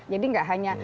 jadi nggak hanya